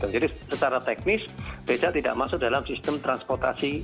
jadi secara teknis becak tidak masuk dalam sistem transportasi